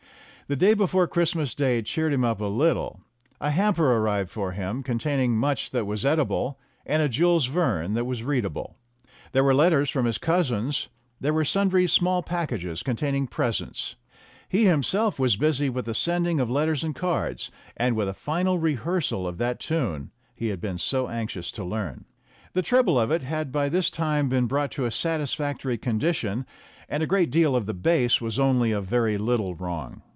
The day before Christmas Day cheered him up a little. A hamper arrived for him, containing much that was edible, and a Jules Verne that was readable. There were letters from India, with Christmas cards and postal orders in them. There were letters from his cousins; there were sundry small packages containing presents. He himself was busy with the sending of letters and cards, and with a final rehearsal of that tune he had been so anxious to learn. The treble of it had by this time been brought to a satisfactory condition, and a great deal of the bass was only a very little wrong.